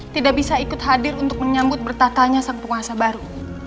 tidak bisa ikut hadir untuk menyambut bertakanya sang penguasa baru